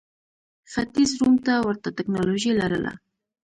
ختیځ روم ته ورته ټکنالوژي لرله.